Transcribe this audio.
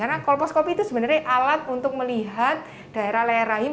karena kolposcopy itu sebenarnya alat untuk melihat daerah leher rahim